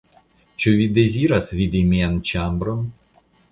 Ĉu vi deziras vidi mian ĉambron?